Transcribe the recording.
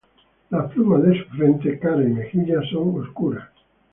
Las plumas de su frente, cara y mejillas son oscuras.